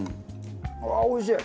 ああーおいしい！